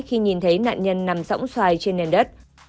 khi nhìn thấy nạn nhân nằm sõng xoài trên nền đất